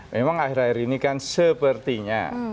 memang akhir akhir ini kan sepertinya